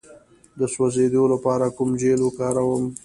د سوځیدو لپاره کوم جیل وکاروم؟